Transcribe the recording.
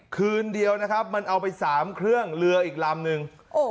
คืนเดียวนะครับมันเอาไป๓เครื่องเรืออีกลำนึง